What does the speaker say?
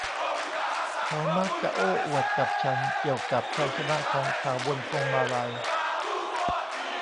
เขามักจะโอ้อวดกับฉันเกี่ยวกับชัยชนะของเขาบนพวงมาลัย